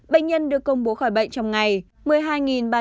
bệnh nhân được công bố khỏi bệnh trong ngày